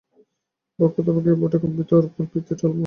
বক্ষ তব কেঁপে উঠে, কম্পিত অর্গল, পৃথ্বী টলমল।